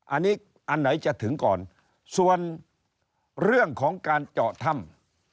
อันนี้อันไหนจะถึงก่อนส่วนเรื่องของการเจาะถ้ำ